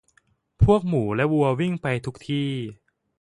พวกหมูและวัววิ่งไปทุกที่